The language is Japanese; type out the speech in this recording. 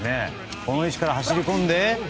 この位置から走りこんで。